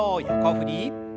横振り。